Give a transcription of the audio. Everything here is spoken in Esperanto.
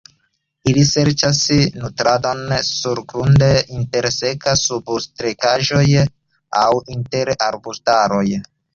Ili serĉas nutradon surgrunde, inter seka subkreskaĵaro, aŭ inter arbustoj.